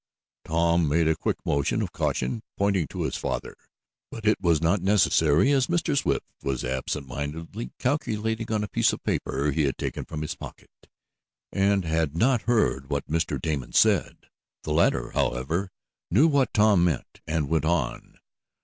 Tom made a quick motion of a caution, pointing to his father, but it was not necessary, as Mr. Swift was absently mindedly calculating on a piece of paper he had taken from his pocket, and had not heard what Mr. Damon said. The latter, however, knew what Tom meant, and went on.